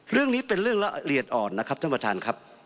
เรื่องนี้เป็นเรื่องละเอียดอ่อนนะครับท่านประธานครับ